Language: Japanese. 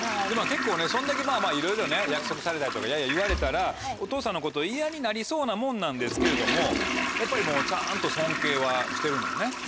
結構ねそんだけいろいろ約束されたりとか言われたらお父さんのこと嫌になりそうなもんなんですけれどもやっぱりちゃんと尊敬はしてるのよね？